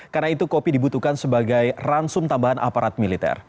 karena itu kopi dibutuhkan sebagai ransum tambahan aparat militer